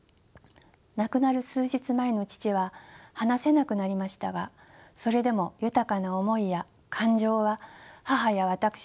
亡くなる数日前の父は話せなくなりましたがそれでも豊かな思いや感情は母や私に伝わってきました。